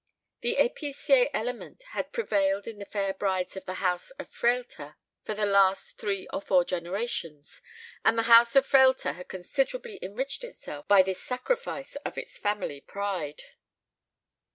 The épicier element had prevailed in the fair brides of the house of Frehlter for the last three or four generations, and the house of Frehlter had considerably enriched itself by this sacrifice of its family pride.